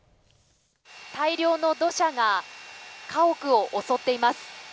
大量の土砂が家屋を襲っています。